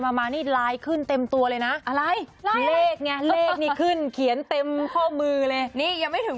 พระพุทธคือพระพุทธคือ